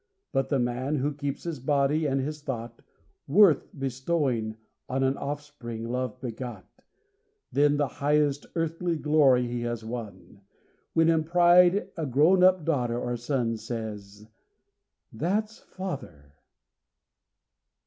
But the man who keeps his body, and his thought, Worth bestowing on an offspring love begot, Then the highest earthly glory he has won, When in pride a grown up daughter or a son Says 'That's Father.